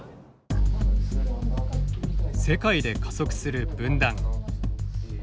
世界で加速する分断。